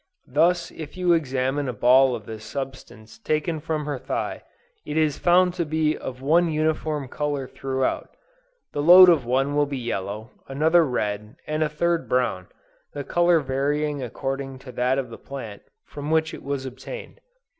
Thus if you examine a ball of this substance taken from her thigh, it is found to be of one uniform color throughout: the load of one will be yellow, another red, and a third brown; the color varying according to that of the plant from which it was obtained.